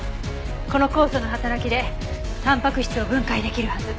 この酵素の働きでタンパク質を分解出来るはず。